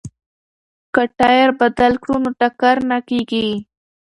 که ټایر بدل کړو نو ټکر نه کیږي.